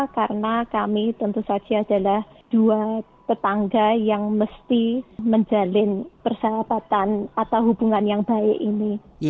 karena kami tentu saja adalah dua tetangga yang mesti menjalin persahabatan atau hubungan yang baik ini